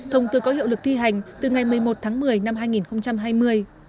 thông tư có hiệu lực thi hành từ ngày một mươi một tháng một mươi năm hai nghìn hai mươi